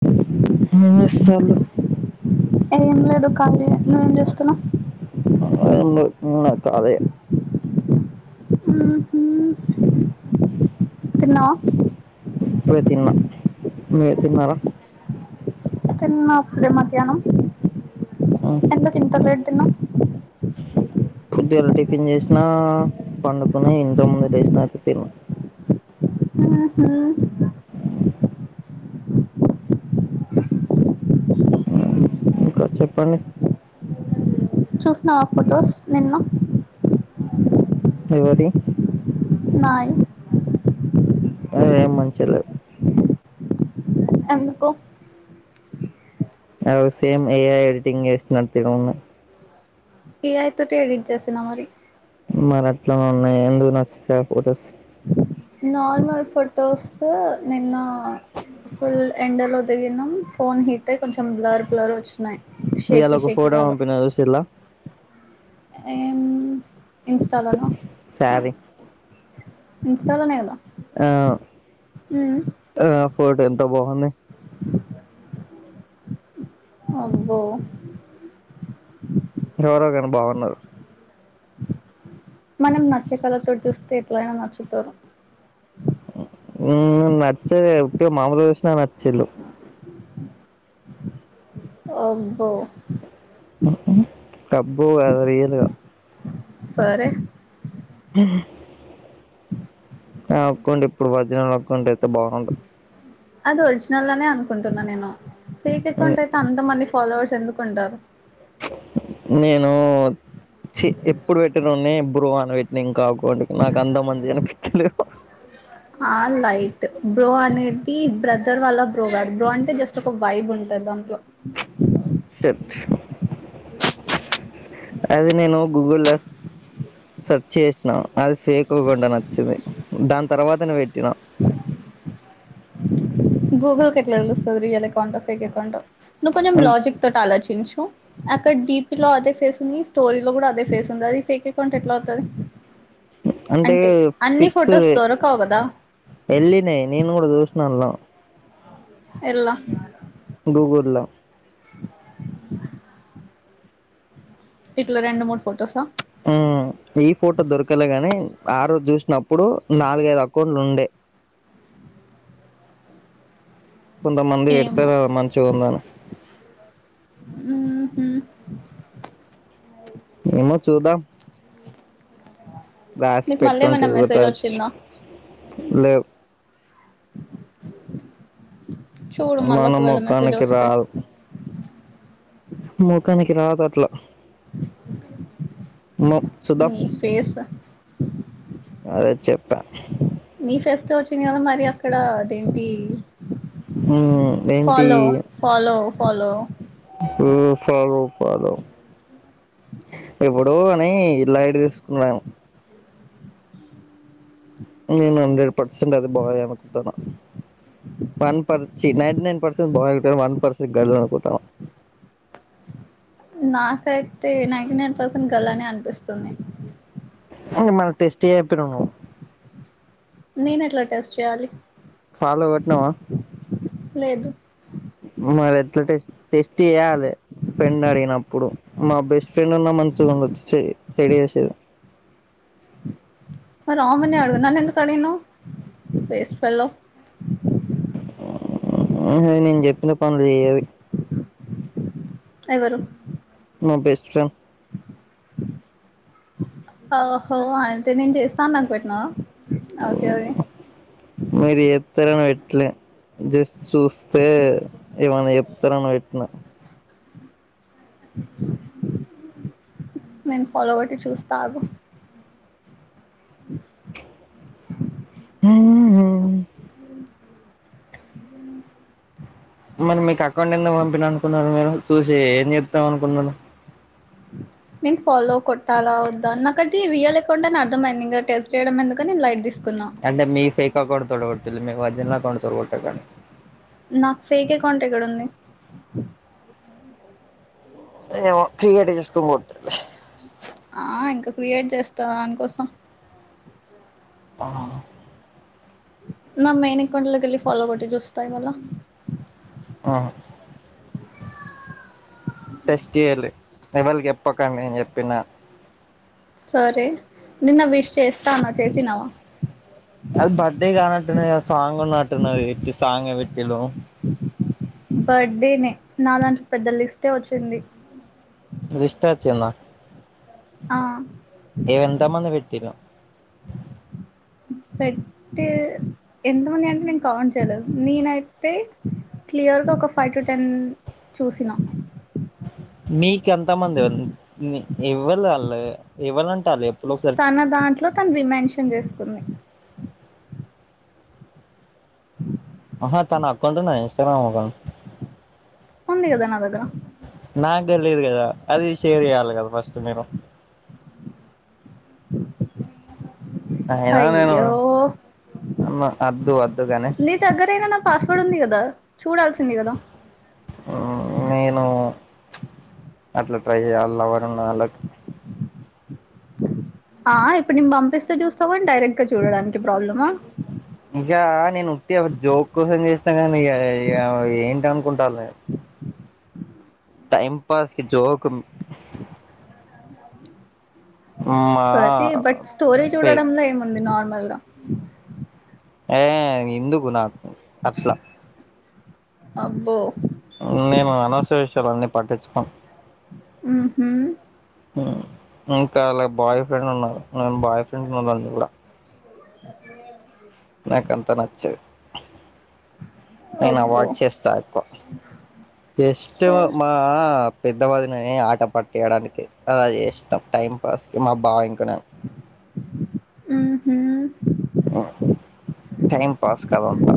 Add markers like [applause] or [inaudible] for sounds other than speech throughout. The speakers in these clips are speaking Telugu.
అ [inaudible] ఏం చేస్తాలు ఏం లేదు కాళీయే నువ్వేం చేస్తున్నావ్ [unintelligible] తిన్నావా ఇప్పుడే తిన్నా మీరు తిన్నారా తిన్న ఇప్పుడే మధ్యాహ్నం ఉమ్. ఎందుకు ఇంత లేట్ తిన్నావు పొద్దుగాలా టిఫిన్ చేసినా పండుకున్న ఇంతకముందు లేసినక తిను ఉహు ఇంకా చెప్పండి చూసినవా ఫొటోస్ నిన్న ఎవరియ్యి నాయి అదే ఏం మంచిగా లేదు ఎందుకు అవి సేమ్ ఏ ఐ ఎడిటింగ్ చేసినట్టే ఉన్నాయి ఏ ఐ తోటే ఎడిట్ చేసిన మరి మరట్లనే ఉన్నాయి ఎందుకు నచ్చితాయి ఫోటోస్ నార్మల్ ఫోటోస్ నిన్న ఫుల్ ఎండ లో దిగినం ఫోన్ హీట్ అయి కొంచెం బ్లర్ బ్లర్ వచ్చినాయి ఇయళ షేకి ఒక షేకి ఫోటో లాగా పంపిన చూసిల్లా ఏమ్ ఇన్స్టాలోనా శారీ ఇన్స్టాలోనే కదా ఆ మ్మ్. ఆ ఫోటో ఎంత బాగుంది అబ్బో ఎవరో గానీ బాగున్నారు మనం నచ్చే కళతో చూస్తే ఎట్లయినా నచ్చుతారు నచ్చలే ఉట్టిగా మామూలుగా చూసిన నాచిల్లు అబ్బో అబ్బో కాదు రియల్ గా సరే ఆ అ ఒక్కండి ఇప్పుడు భజనాలు అక్కండి అయితే బాగుండు అది ఒరిజినల్ అనే అనుకుంటున్నా నేను ఫేక్ నే- అకౌంట్ అయితే అంత మంది ఫాలోవర్స్ ఎందుకు ఉంటారు చి ఎప్పుడు పెట్టనోన్ని బ్రో అని పెట్టిన ఇంకాగు నాకు అంతమంది కనిపిస్తలే ఆ లైట్ బ్రో అనేది బ్రదర్ వల్ల బ్రో కా బ్రో అంటే జస్ట్ ఒక వైబ్ ఉంటది దాంట్లో అది నేను గూగుల్ లో సర్చ్ చేసినా అది ఫేక్ అకౌంట్ అని వచ్చింది దాని తర్వాతనే పెట్టినా గూగుల్కి ఎట్ల తెలుస్తాది రియల్ అకౌంట్ ఫేక్ అకౌంట్ ఓ కొంచెం అన్- లాజిక్ తోటి ఆలోచించు అక్కడ డీపి లో అదే ఫేస్ ఉంది స్టోరీ లో కూడా అదే ఫేస్ ఉంది అది ఫేక్ అకౌంట్ ఎట్లా అవుతది అంటే అన్ని పిక్స్ ఫొటోస్ దొరకవు కదా వెళ్ళినయి నేను కూడా చూసనలా ఎల్ల గూగుల్ల ఇట్లో రెండు మూడు ఫొటోసా హూ ఈ ఫోటో దొరకలే గాని, ఆ రోజు చూసినప్పుడు నాలుగైదు అకౌంట్లు ఉండే. కొంతమంది ఏమో పెడతరు మంచిగా ఉంది అని హ్మ్ హు ఏమో చూదాం రాసి నీకు మళ్ళీ పెట్టింటే ఏమైనా కూడ్ మెసేజ్ రావొచ్చు వచ్చిందా లేవ్ చూడు మళ్ళ మన ఒకవేళ మెసేజ్ ముఖానికి వస్తే మొఖానికి రాద్ అట్లా మ చూద్దాం నీ ఫేస్ అదే చెప్పా ఈ ఫెస్ట్ వచ్చింది కదా మరి అక్కడ అదేంటి ఏంటి ఫలో ఫలో ఫలో ఫాలో ఇప్పుడు అనీ లైట్ తీసుకున్నాన్ నేను హండ్రెడ్ పర్సెట్ అది బాయ్ అనుకుంటున్న వన్ పర్ చి నైటీ నైన్ పర్సెంట్ బాయ్ ఉంటది, వన్ పర్సెంట్ గర్ల్ ది అనుకుంటాన్న. నాకైతే నైన్టీ నైన్ పర్సంట్ గర్ల్ అనే అనిపిస్తుంది ఇంగ మళ్ళీ టెస్ట్ ఏపినావ్ నువ్ నేన ఎట్లా టెస్ట్ చేయాలి ఫాలో కొట్నావా లేదు మరి ఎట్లా టెస్ టెస్ట్ చేయాలే, ఫ్రెండ్ అడిగినప్పుడు మా బెస్. ఫ్రెండ్ ఉన్నా మంచుగా ఉండొచ్చు చె చెడు చేసేది మరి ఆమెనే అడుగు నన్నెందుకు అడిగినావ్ వాస్తేఫెల్లో నేను చెప్పిన పనులు చేయది ఎవరు మా బెస్ట్ ఫ్రెండ్ ఓహో అన్ అంటే నేను చేస్తా అని నాకు పెట్టినావ ఓకే మరి ట్లే జస్ట్ చూస్తే ఏమనా చెప్తారని వెట్నా నేను ఫాలో కొట్టి చూస్తా ఆగు హు ఆ మరి మీకు అకౌంట్ ఎందుకు పంపిన అనుకున్నారు మీరు, చూసి ఏం చెతాం అనుకున్నరు. నేను ఫాలో కొట్టాలా వద్దా నాకు అది రియల్ అకౌంట్ అని అర్థమైంది, ఇంగ టెస్ట్ చేయడం ఎందుకు అని నేన్ లైట్ తీస్. అంటే మీ ఫేక్ అకౌంట్ తోటి కొట్టిళ్ళు మీ వర్జినల్ అకౌంట్ తోడ్గొట్టకా నాక్ ఫేక్ అకౌంట్ ఎక్కడ ఉంది ఏమో క్రియేట్ చేసుకొన్ కొట్టు ఆ ఇంక క్రియేట్ చేస్తా దానికోసం హ్మ్ నా మెయిన్ అకౌంట్ లోకి ఎల్లి ఫాలో కొట్టి చూస్తా ఇవాళ్ళ హా టెస్ట్ చేయాలి ఎవళకి చెప్పకండి నేన్ చెప్పిన సరే నిన్న విష్ చేస్తాఅన్నావ్ చేసినావా అది బర్త్డే కానట్ ఉందిగా సాంగ్ ఉన్నటు ఉన్న దిగా ఉట్టి సాంగ్ పెట్టిరు బర్త్డేనే నా దానికిలో పెద్ద లిస్టే వచ్చింది లిస్ట్ వచ్చిందా ఆ ఇవెంతామంది పెట్టిరు పెట్టి ఎంతమంది అంటే నేను కావన్ట్ చేయ్యాలేదు నేనైతే క్లియర్ గా ఒక ఫైవ్ టు టెన్ చూసినా మీకు ఎంత మంది ఇవ్వలు అళ్ళు ఇవ్వాలంటారు చే తన దాంట్లో తను రిమెన్షన్ చేసుకుంది [inaudible] ఆహా తన అకాౌట్ నా ఇన్స్టాగ్రామ్ ఉందా ఉందిగాద నా దగ్గర నాకు తెలియదు గదా అది షేర్ చేయ్యాలి గదా ఫస్ట్ మీరు [unintelligible] అయినా నేను అయ్యే అద్దు అద్దుగాని నీ దగ్గర ఎదన్నా పాస్వర్డ్ ఉంది గదా చూడాల్సింది గదా నేను అట్లా ట్రై చేయ్య అలా ఎవరన్న అళ్ళకి ఆ ఇప్పుడు నేను పంపిస్తే చూస్తావ గాని డైరెక్ట్ గా చూడడానికి ప్రాబ్లమా ఇగా నేను ఉటిగా జోక్ కోసం చేస్తా చేస్తా గాని ఏంట అనుకుంటారు టైమ్ పాస్కి జోకు సరే బట్ స్టోరి చూడడంలో ఏముంది నార్మల్గా ఏ ఎందుకు నాకు అట్లా అబ్బో పటిచ్చుకోం ఉహు హమ్ ఇంకా అలా బాయ్ ఫ్రెండ్ ఉన్నారు నే బాయ్ ఫ్రెండ్ ఉన్నాడు నేను చూడా [unintelligible] నాకు అంతా నచ్చదు నేను అబ్బో అవార్డ్ చేస్తా ఎక్కువ జెస్ట్ సరే మా పెద్దవదినని ఆట పట్టేయడానికి అలా చేసినం టైం పాస్ కి మా బావ ఇంకా నేను ఉహు టైమ్ పాస్ కాదంతా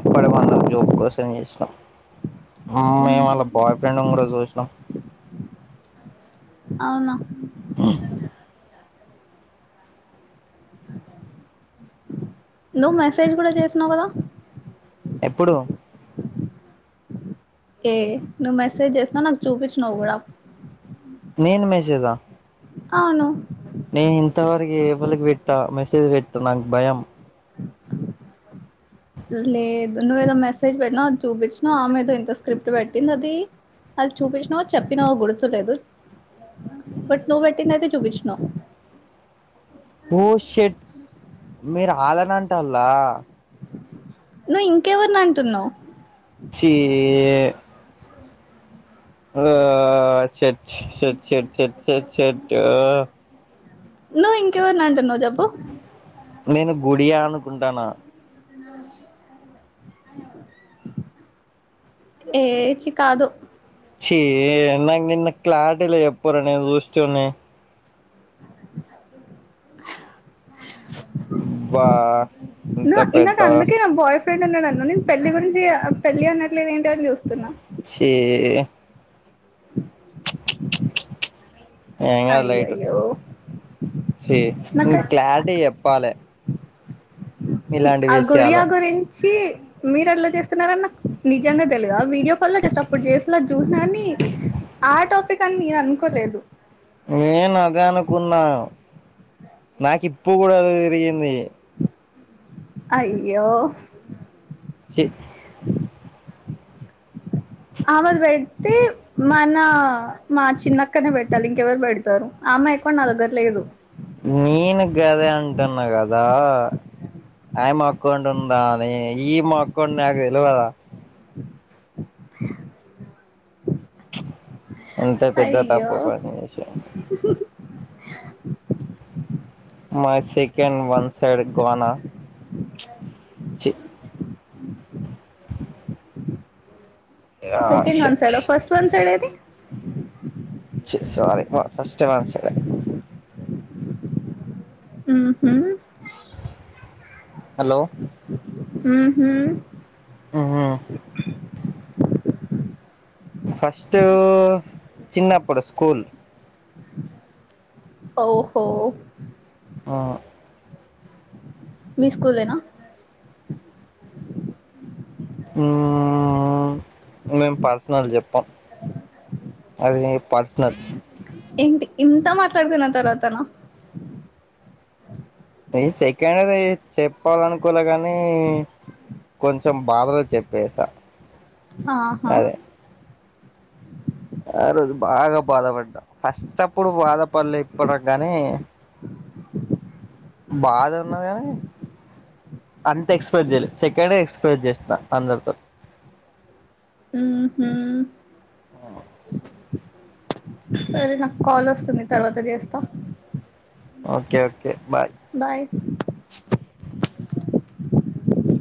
అప్పడి మందము జోక్ కోసం చేసినమ్ మేము ఉహు వాళ్ళ బాయ్ ఫ్రెండ్ గూడా చూసినాం అవునా ఉ నువ్వు మెసేజ్ గూడా చేసినావ్ గదా ఎప్పుడు ఏ నువ్వు మెసేజ్ చేసినవ్ నాకు చూపించినవ్ గూడా నేను మెసెజా అవును ఎ ఎవల్క్ పేట్ట మెసేజ్ పేట్ట నాకు భయం లేదు నువ్వు ఏదో మెసేజ్ పెట్టినావ్ చూపించినవు ఆమె ఏదో ఇంత స్క్రిప్ట్ పెట్టింది అది అది చూపిచ్చినవో చెప్పినవో గుర్తులేదు బట్ నువ్ బెట్టిందైతే చూపిచ్చినవ్ ఓ షెట్ మీరు ఆల్లనంటాల్లా నువ్ ఇంకెవరినంటున్నవ్ చీ ఓ షెట్ షెట్ షెట్ షెట్ షెట్ షెట్టూ నువ్ ఇంకెవరినంటున్నవ్ చెప్పు నేను గుడియా అనుకుంటానా ఆయనెవరు ఏ చ్చి కాదు చ్చి నాకు నిన్న క్లారిటీల చెప్పరు నేను చూషెటోడ్ని బా ఇంత నా ఇందాక పెద్ద అందుకే నా బాయ్ ఫ్ ఫ్రెండ్ ఉన్నడన్నవ్ నేను పెళ్లి గురించి అ పెళ్లి అనట్లేవెంటి అని జూస్తున్నా చీ ఏంగాదు లైట్ అయ్యయ్యో చీ నువ్ నాకు క్లారిటీగ చెప్పాలె చి ఆ గుడియా విషయాలు గురించి మీరట్లా చేస్తున్నారని నాకు నిజంగా తెలీదు ఆ వీడియో మళ్ళ చేసేటప్పుడు జస్ట్ ల చూసిన కనీ ఆ టాపిక్ అని నేననుకోలేదు నేను అదే అనుకున్నా నాకిప్పుడు గూడ అదే జరిగింది అయ్యో చ్చి ఆమెది పెడితే మనా మా చిన్నక్కనే పెట్టాలి ఇంకెవరు పెడతరు ఆ అమ్మాయి అకౌంట్ నా దగ్గర లేదు అంటన్నా గదా ఆయ్మా అకౌంట్ ఉందా అని ఈమె అకౌంట్ నాకు తెలవదా ఎంత పెద్ద అయ్యో తప్పు పని చేశా మై సేకండ్ వన్ సైడ్ గానా చి ఆ సెకండ్ వన్ షట్ సైడా first one side I think చి సారీ వ ఫస్ట్ వన్ సైడే ఉమ్ హ్ హలో ఉమ్ హ్ ఉ హు ఫస్ట్ చిన్నప్పుడు స్కూల్ ఓహో ఆ మీ స్కూల్ ఏనా ఊ మేం పర్సనల్ చెప్పం అది నీ పర్సనల్ ఏంటి ఇంత మాట్లాడుతున్న తర్వాతనా ఇ సెకండ్ది చెప్పాలనుకోలే గనీ కొంచెం బాధలో చెప్పేసా ఆహా అదే ఆ రోజు బాగా బాధపడ్డా ఫస్ట్ అప్పుడు బాధపడలే ఇప్పడు కానీ [inaudible] బాధ ఉన్నది కానీ అంత ఎక్స్పెస్ చేయలే సెకండ్ ఎక్స్పెస్ చేస్త అందరితో ఆ హా సరే నాకు కాల్ వస్తుంది తర్వాత చేస్తా ఓకే ఓకే బాయ్ బాయ్